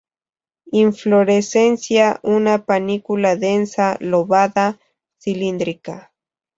Inflorescencia una panícula densa, lobada, cilíndrica.